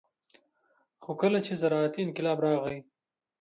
خو کله چې زراعتي انقلاب راغى